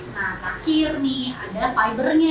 nah terakhir nih ada fibernya